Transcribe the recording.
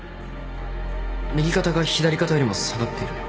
右肩が左肩よりも下がっている